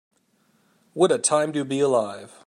What a time to be alive.